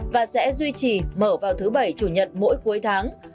và sẽ duy trì mở vào thứ bảy chủ nhật mỗi cuối tháng